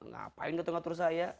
ngapain ketika terus saya